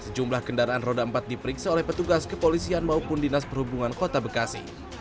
sejumlah kendaraan roda empat diperiksa oleh petugas kepolisian maupun dinas perhubungan kota bekasi